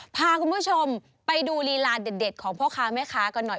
พาคุณผู้ชมไปดูลีลาเด็ดของพ่อค้าแม่ค้ากันหน่อย